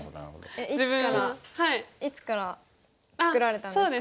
いつから作られたんですか？